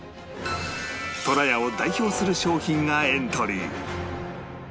とらやを代表する商品がエントリー